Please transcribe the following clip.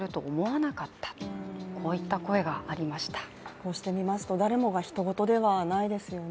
こうして見ますと、誰もがひと事ではないですよね。